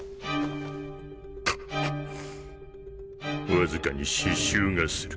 わずかに死臭がする。